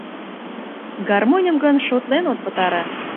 Гармоньым гын шотлен от пытаре.